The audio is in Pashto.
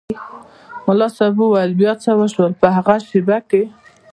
ملا صاحب وویل بیا څه وشول په هغې شېبه کې.